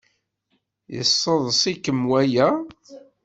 Yesseḍs-ikem waya?